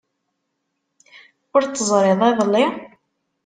Ur t-teẓriḍ iḍelli?